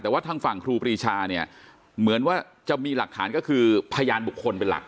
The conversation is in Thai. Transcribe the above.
แต่ว่าทางฝั่งครูปรีชาเนี่ยเหมือนว่าจะมีหลักฐานก็คือพยานบุคคลเป็นหลัก